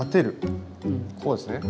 こうですね。